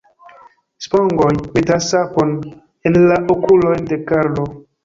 Spongoj metas sapon en la okulojn de Karlo..